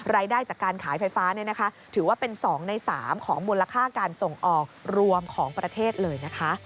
รายได้จากการขายไฟฟ้าถือว่าเป็น๒ใน๓ของมูลค่าการส่งออกรวมของประเทศเลยนะคะ